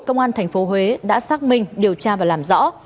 công an tp huế đã xác minh điều tra và làm rõ